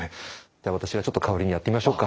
では私がちょっと代わりにやってみましょうか。